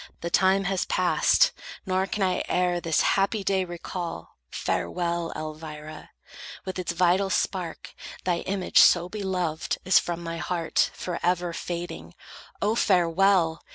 The time has passed; Nor can I e'er this happy day recall. Farewell, Elvira! With its vital spark Thy image so beloved is from my heart Forever fading. Oh, farewell!